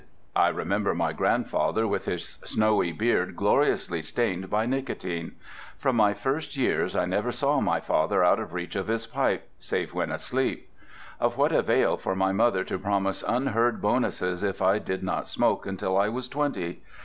I remember my grandfather with his snowy beard gloriously stained by nicotine; from my first years I never saw my father out of reach of his pipe, save when asleep. Of what avail for my mother to promise unheard bonuses if I did not smoke until I was twenty?